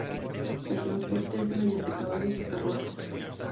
El transporte es mediante caballos y carruajes.